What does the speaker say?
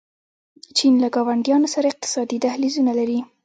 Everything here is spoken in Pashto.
چین له ګاونډیانو سره اقتصادي دهلیزونه لري.